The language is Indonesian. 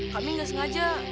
kami gak sengaja